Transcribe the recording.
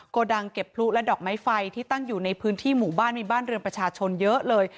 โกดังเก็บพลุและดอกไม้ไฟที่ตั้งอยู่ในพื้นที่หมู่บ้านมีบ้านเรือนประชาชนเยอะเลย